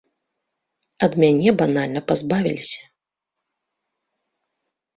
Ад мяне банальна пазбавіліся.